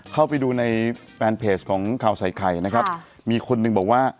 เข้าไปดูในแฟนเพจของข่าวใส่ไข่นะครับมีคนหนึ่งบอกว่า